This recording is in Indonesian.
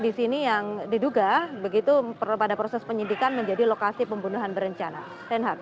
di sini yang diduga begitu pada proses penyidikan menjadi lokasi pembunuhan berencana